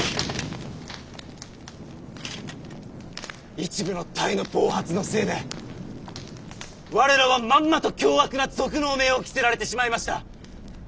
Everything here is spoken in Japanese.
一部の隊の暴発のせいで我らはまんまと凶悪な賊の汚名を着せられてしまいました。